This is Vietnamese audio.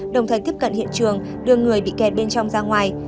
đồng thời tiếp cận hiện trường đưa người bị kẹt bên trong ra ngoài